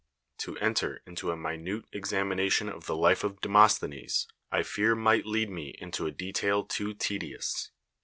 To enter into a minute examination of the life of Demosthenes I fear might lead me into a detail too tedious.